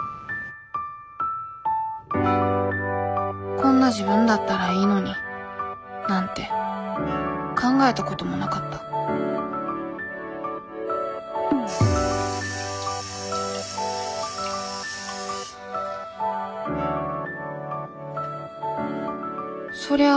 「こんな自分だったらいいのに」なんて考えたこともなかったそりゃあ「ハリー・ポッター」